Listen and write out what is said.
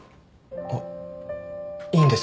あっいいんですか？